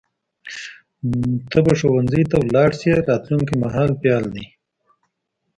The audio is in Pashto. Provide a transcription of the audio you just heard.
ته به ښوونځي ته لاړ شې راتلونکي مهال فعل دی.